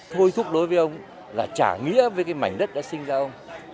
thôi thúc đối với ông là trả nghĩa với cái mảnh đất đã sinh ra ông